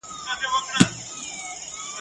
څوک سپېرې شونډي وتلي د چا ډکي پیمانې دي !.